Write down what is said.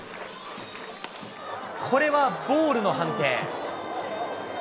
これはボールの判定。